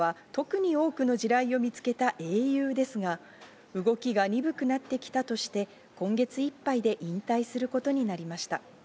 マガワは特に多くの地雷を見つけた英雄ですが、動きが鈍くなってきたとして、今月いっぱいで引退することになりました。